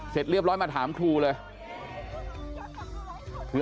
เสร็จเรียบร้อยมาถามครูเลย